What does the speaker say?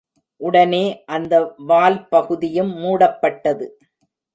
உடனே அந்த வால்பகுதியும் மூடப்பட்டது.